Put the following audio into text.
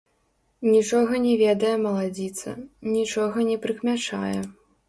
Нічога не ведае маладзіца, нічога не прыкмячае.